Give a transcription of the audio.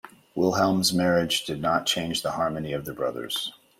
Wilhelm's marriage did not change the harmony of the brothers.